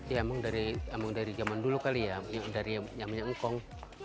ya emang dari zaman dulu kali ya dari zamannya engkong